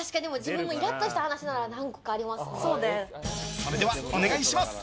それではお願いします。